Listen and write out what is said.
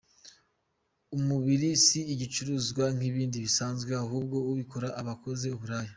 Umubiri si igicuruzwa nk’ibindi bisanzwe, ahubwo ubikora aba akoze uburaya.